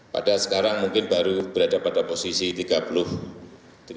padahal sekarang mungkin baru berada pada posisi tiga puluh tiga